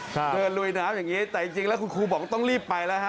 เดินลุยน้ำอย่างนี้แต่จริงแล้วคุณครูบอกต้องรีบไปแล้วฮะ